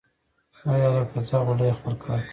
ای هلکه ځه غولی خپل کار کوه